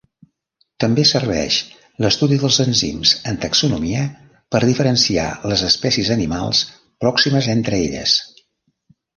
També serveix l'estudi dels enzims en taxonomia per diferenciar les espècies animals pròximes entre elles.